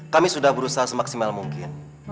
kami sudah berusaha semaksimal mungkin